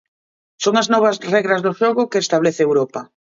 Son as novas regras do xogo que establece Europa.